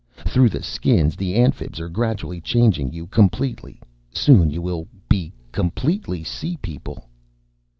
Through the Skins the Amphibs are gradually changing you completely. Soon you will be completely sea people."